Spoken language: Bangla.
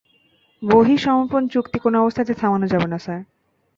বহিঃসমর্পণ চুক্তি কোন অবস্থাতেই থামানো যাবে না, স্যার।